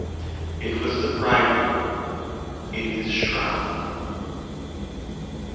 It was the bridegroom in his shroud.